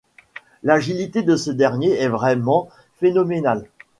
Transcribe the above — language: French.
L’agilité de ce dernier est vraiment phénoménale.